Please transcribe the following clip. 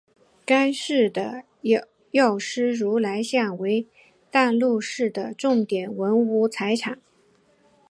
该寺的药师如来像为淡路市的重要文化财产。